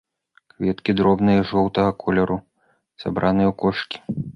Кветкі дробныя, жоўтага колеру, сабраныя ў кошыкі.